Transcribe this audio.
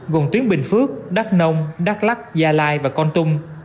gồm tuyến bình phước đắk nông đắk lắc gia lai và con tum